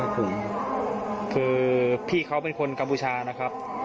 คือพี่เขาเป็นคนกัมพูชานะครับ